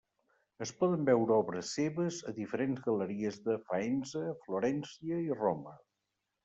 Es poden veure obres seves a diferents galeries de Faenza, Florència i Roma.